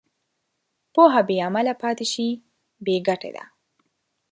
پوهه بېعمله پاتې شي، بېګټې ده.